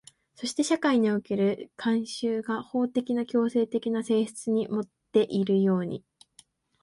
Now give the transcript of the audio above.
そして社会における慣習が法的な強制的な性質をもっているように、